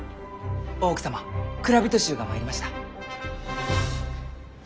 大奥様蔵人衆が参りました。